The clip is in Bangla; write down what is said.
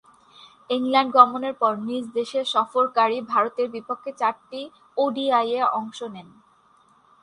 ইংল্যান্ড গমনের পর নিজ দেশে সফরকারী ভারতের বিপক্ষে চারটি ওডিআইয়ে অংশ নেন।